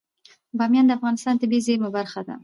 بامیان د افغانستان د طبیعي زیرمو برخه ده.